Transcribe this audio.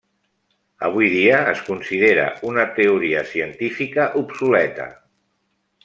Avui dia es considera una teoria científica obsoleta.